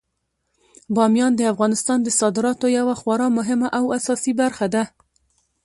بامیان د افغانستان د صادراتو یوه خورا مهمه او اساسي برخه ده.